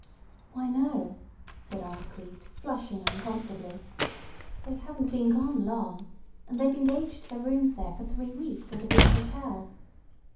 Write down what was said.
"Why, no," said Aunt Crete, flushing uncomfortably. "They haven't been gone long. And they've engaged their rooms there for three weeks at a big hotel.